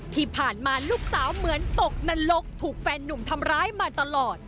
ที่ผ่านมาลูกสาวเหมือนตกนรกถูกแฟนหนุ่มทำร้ายมาตลอด